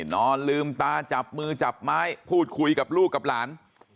นอนลืมตาจับมือจับไม้พูดคุยกับลูกกับหลาน